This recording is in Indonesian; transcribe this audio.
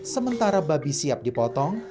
sementara babi siap dipotong